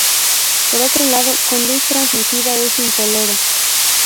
Por otro lado, con luz transmitida es incoloro.